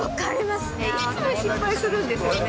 いつも失敗するんですよね。